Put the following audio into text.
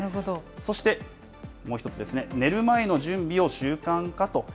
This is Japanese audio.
そして、もう１つですね、寝る前の準備を習慣化と。